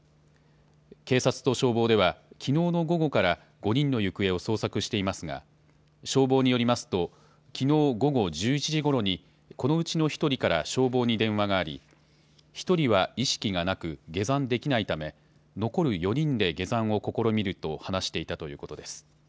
警察と消防では、きのうの午後から５人の行方を捜索していますが消防によりますときのう午後１１時ごろにこのうちの１人から消防に電話があり１人は意識がなく下山できないため残る４人で下山を試みると話していたということです。